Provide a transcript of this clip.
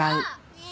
ねえ！